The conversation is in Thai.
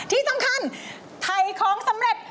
ที่สำคัญถ่ายของสำเร็จ